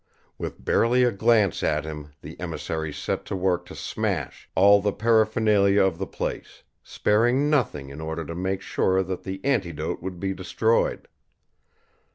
With barely a glance at him the emissaries set to work to smash all the paraphernalia of the place, sparing nothing in order to make sure that the antidote would be destroyed.